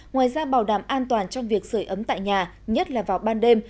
ngoài ra bảo đảm an toàn trong việc sửa ấm tại nhà nhất là vào ban đêm